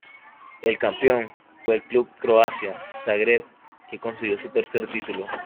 El campeón fue el club Croacia Zagreb que consiguió su tercer título.